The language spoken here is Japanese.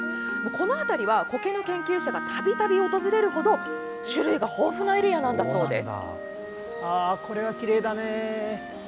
この辺りは、コケの研究者がたびたび訪れるほど種類が豊富なエリアなんだそうです。